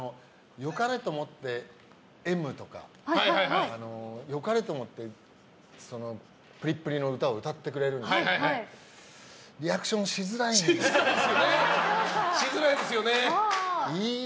良かれと思って「Ｍ」とか良かれと思ってプリプリの歌を歌ってくれるんでしづらいですよね。